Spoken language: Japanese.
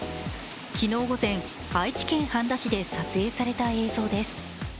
昨日午前、愛知県半田市で撮影された映像です。